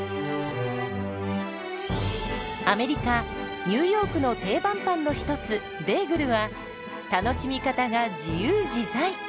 アメリカ・ニューヨークの定番パンの一つベーグルは楽しみ方が自由自在！